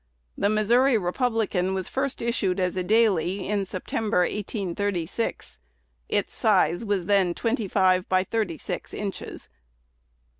"The Missouri Republican" was first issued as a daily in September, 1836. Its size was then twenty five by thirty six inches.